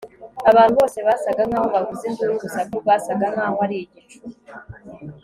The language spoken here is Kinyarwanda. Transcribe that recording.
abantu bose basaga nkaho bavuza induru; urusaku rwasaga nkaho ari igicu